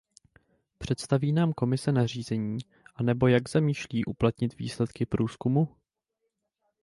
Představí nám Komise nařízení, anebo jak zamýšlí uplatnit výsledky průzkumu?